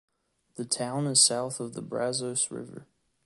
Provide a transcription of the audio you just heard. The town is south of the Brazos River.